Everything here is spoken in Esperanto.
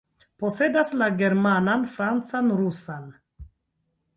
Posedas la germanan, francan, rusan.